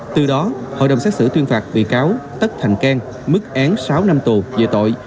từ đó hội đồng xét xử tuyên phạt bị cáo tất thành cang mức án sáu năm tù về tội